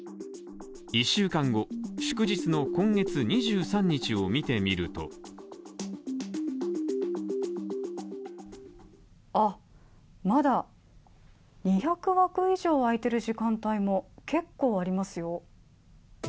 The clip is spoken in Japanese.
１週間後、祝日の今月２３日を見てみるとまだ２００枠以上空いている時間帯も結構ありますよ。